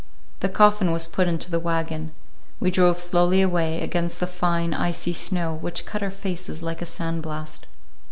The coffin was put into the wagon. We drove slowly away, against the fine, icy snow which cut our faces like a sand blast.